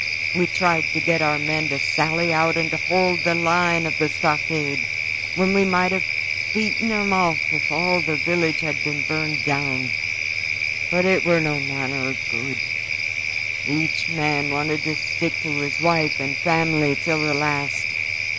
We tried to get our men to sally out and to hold the line of stockade, when we might have beaten 'em off if all the village had been burned down; but it were no manner of good; each man wanted to stick to his wife and family till the last.